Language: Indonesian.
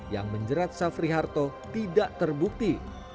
yang menjerat safri harto tidak terbukti